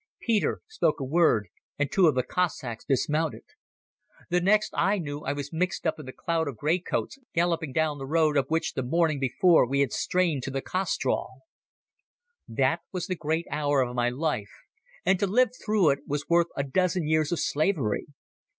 Peter spoke a word, and two of the Cossacks dismounted. The next I knew I was mixed up in the cloud of greycoats, galloping down the road up which the morning before we had strained to the castrol. That was the great hour of my life, and to live through it was worth a dozen years of slavery.